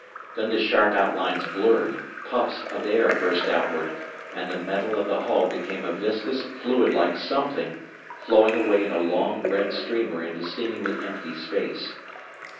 Then the sharp outlines blurred, puffs of air burst outward, and the metal of the hull became a viscous, fluid like something, flowing away in a long, red streamer into seemingly empty space.